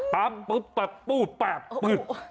ประปุกปูป่าปุาง